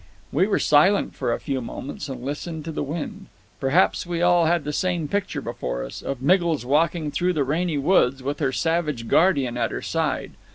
We were silent for a few moments, and listened to the wind. Perhaps we all had the same picture before us of Miggles walking through the rainy woods, with her savage guardian at her side.